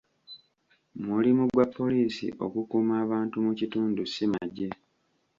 Mulimu gwa poliisi okukuuma abantu mu kitundu si magye.